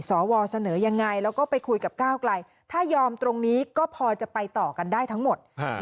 เสนอยังไงแล้วก็ไปคุยกับก้าวไกลถ้ายอมตรงนี้ก็พอจะไปต่อกันได้ทั้งหมด